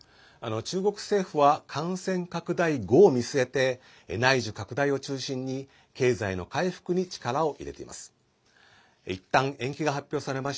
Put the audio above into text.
中国政府は感染拡大後を見据えて内需拡大を中心に経済の回復に力を入れています。